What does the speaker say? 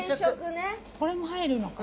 これも入るのか。